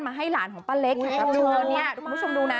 มาให้หลานของป้าเล็กอยู่กับเพื่อนเนี่ยดูมาคุณผู้ชมดูนะ